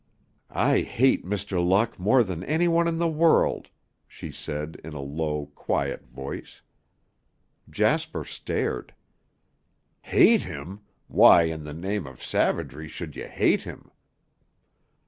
"I hate Mr. Luck more than any one in the world," she said in a low, quiet voice. Jasper stared. "Hate him! Why, in the name of savagery, should you hate him?"